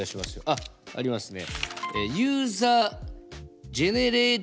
あっありますね。